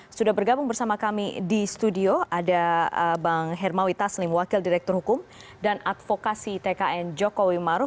sudah bergabung bersama kami di studio ada bang hermawi taslim wakil direktur hukum dan advokasi tkn jokowi maruf